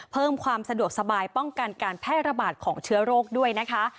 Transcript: เพิ่มความสะดวกสบายป้องกันการแพร่ระบาดของเชื้อโรคด้วยนะคะ